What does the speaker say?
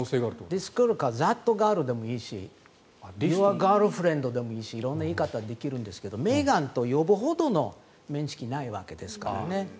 ディス・ガールかザット・ガールでもいいしユア・ガールフレンドでもいいし色んな言い方はできるんですがメーガンと呼ぶほどの面識はないですからね。